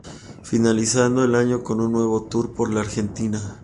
Finalizando el año con un nuevo tour por la Argentina.